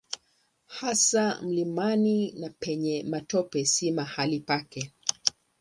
Hasa mlimani na penye matope si mahali pake.